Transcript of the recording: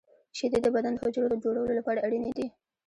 • شیدې د بدن د حجرو د جوړولو لپاره اړینې دي.